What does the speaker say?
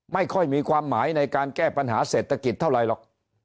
ไม่ค่อยมีความหมายในการแก้ปัญหาเศรษฐกิจเท่าไรหรอก